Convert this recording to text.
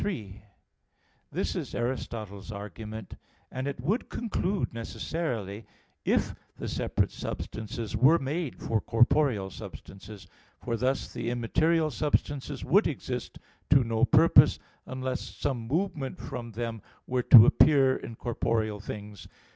3: This is Aristotle's argument (Metaph. xii, text 44), and it would conclude necessarily if the separate substances were made for corporeal substances. For thus the immaterial substances would exist to no purpose, unless some movement from them were to appear in corporeal things.